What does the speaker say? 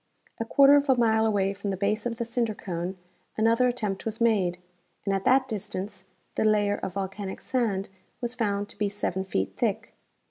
A quarter of a mile away from the base of the cinder cone another attempt Avas made, and at that distance the layer of volcanic sand Avas found to be seven feet thick.